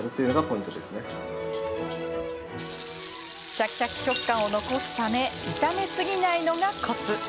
シャキシャキ食感を残すため炒めすぎないのがコツ。